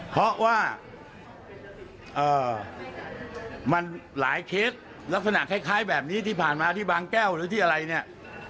เพราะว่ามันหลายเคสลักษณะคล้ายแบบนี้ที่ผ่านมาที่บางแก้วหรือที่อะไรเนี่ย